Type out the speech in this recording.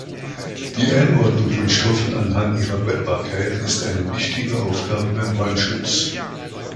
Die Einordnung von Stoffen anhand ihrer Brennbarkeit ist eine wichtige Aufgabe beim Brandschutz.